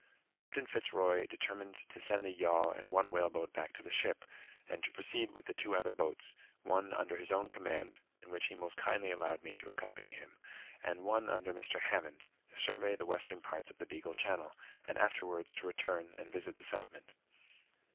Captain Fitz Roy determined to send the yawl and one whale boat back to the ship; and to proceed with the two other boats, one under his own command (in which he most kindly allowed me to accompany him), and one under Mr. Hammond, to survey the western parts of the Beagle Channel, and afterwards to return and visit the settlement.